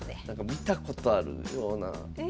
見たことあるような。ですよね。